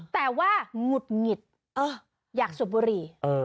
แต่ว่าหงุดหงิดอยากสูบบุหรี่